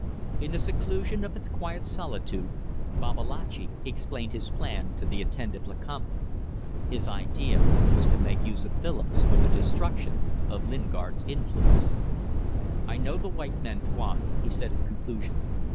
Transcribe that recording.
In the seclusion of its quiet solitude Babalatchi explained his plan to the attentive Lakamba. His idea was to make use of Willems for the destruction of Lingard's influence. "I know the white men, Tuan," he said, in conclusion.